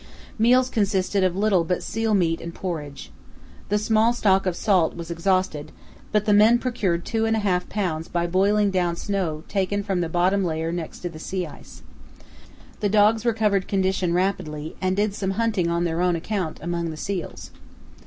Meals consisted of little but seal meat and porridge. The small stock of salt was exhausted, but the men procured two and a half pounds by boiling down snow taken from the bottom layer next to the sea ice. The dogs recovered condition rapidly and did some hunting on their own account among the seals.